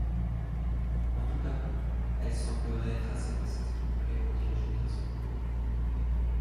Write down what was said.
En tout cas, elle semblerait être assez vaste ! répondit le jeune garçon